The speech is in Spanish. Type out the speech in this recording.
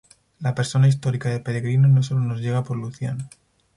La persona histórica de Peregrino no sólo nos llega por Luciano.